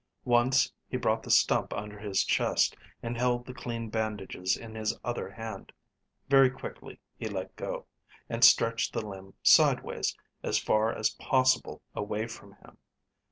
Once he brought the stump under his chest and held the clean bandages in his other hand. Very quickly he let go, and stretched the limb sideways, as far as possible away from him.